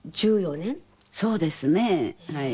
そうですねはい。